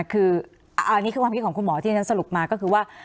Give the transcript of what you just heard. คืออันนี้คือความคิดของคุณหมอที่ฉันสรุปมาก็คือว่า